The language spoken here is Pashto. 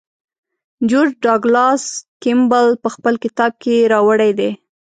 جورج ډاګلاس کیمبل په خپل کتاب کې راوړی دی.